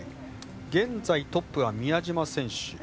現在、トップは宮嶋選手。